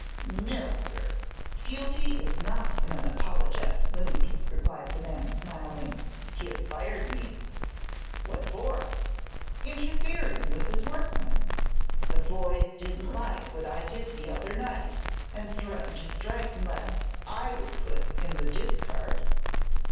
"No, sir; Skeelty is not in an apologetic mood," replied the man, smiling. "He has fired me." "What for?" "Interfering with his workmen. The boys didn't like what I did the other night and threatened to strike unless I was put in the discard."